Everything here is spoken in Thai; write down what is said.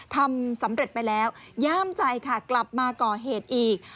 ทำสำเร็จไปแล้วย่ามใจค่ะกลับมาก่อเหตุอีก